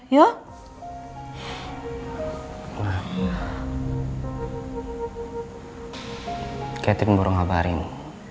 makanya kamu itu jangan pikiran aneh aneh